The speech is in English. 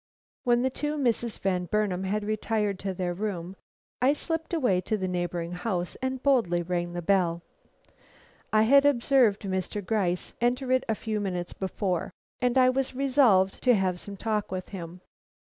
When the two Misses Van Burnam had retired to their room, I slipped away to the neighboring house and boldly rang the bell. I had observed Mr. Gryce enter it a few minutes before, and I was resolved to have some talk with him.